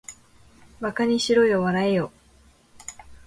馬鹿ばかにしろよ、笑わらえよ